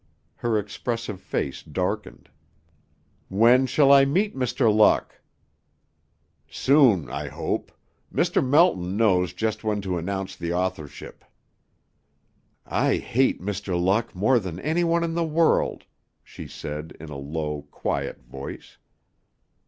Her expressive face darkened. "When shall I meet Mr. Luck?" "Soon, I hope. Mr. Melton knows just when to announce the authorship." "I hate Mr. Luck more than any one in the world," she said in a low, quiet voice.